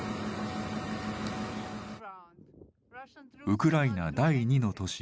ウクライナ第２の都市